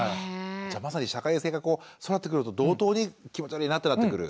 じゃまさに社会性がこう育ってくると同等に気持ち悪いなってなってくる。